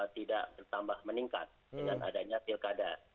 tidak bertambah meningkat dengan adanya pilkada